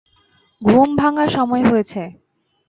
ঘুম ভাঙ্গার সময় হয়েছে।